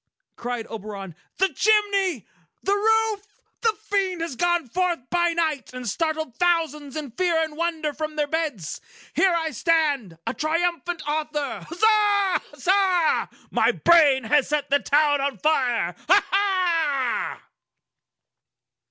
cried Oberon. "The chimney! The roof! The Fiend has gone forth by night, and startled thousands in fear and wonder from their beds! Here I stand,—a triumphant author! Huzza! Huzza! My brain has set the town on fire! Huzza!"